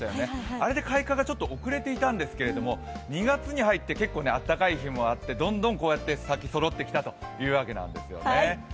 あれで開花がちょっと遅れていたんですけれども２月に入って、結構暖かい日もあってどんどん、こうやって咲きそろってきたというわけなんですね。